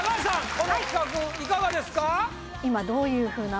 この企画いかがですか？